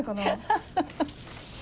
ハハハ。